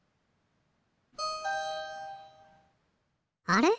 あれ？